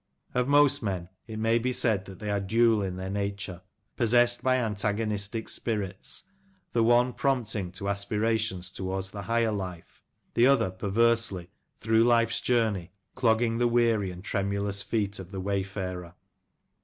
Of most men it may be said that they are dual in their nature — possessed by antagonistic spirits, the one prompting to aspirations towards the higher life, the other perversely, through life's journey, clogging the weary and tremulous feet of the wayfarer.